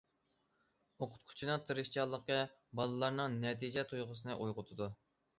ئوقۇتقۇچىنىڭ تىرىشچانلىقى بالىلارنىڭ نەتىجە تۇيغۇسىنى ئويغىتىدۇ.